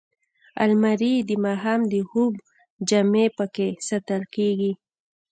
الماري د ماښام د خوب جامې پکې ساتل کېږي